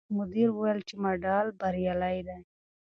مدیر وویل چې ماډل بریالی دی.